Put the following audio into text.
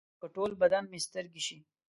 که ټول بدن مې سترګې شي.